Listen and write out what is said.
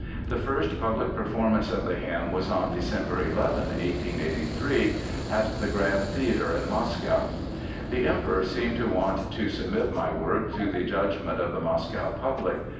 The first public performance of the hymn was on December 11, 1883, at the Grand Theater in Moscow. The Emperor seemed to want to submit my work to the judgment of the Moscow public.